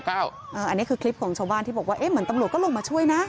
อันนี้คือคลิปของชาวบ้านที่บอกว่าเหมือนตำรวจก็ลงมาช่วยนะ